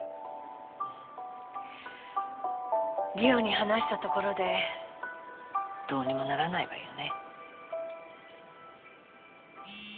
梨央に話したところでどうにもならないわよね？